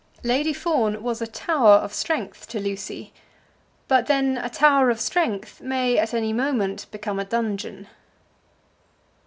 Lady Fawn was a tower of strength to Lucy. But then a tower of strength may at any moment become a dungeon.